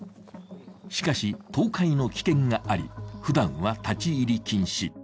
しかし、倒壊の危険があり、ふだんは立入禁止。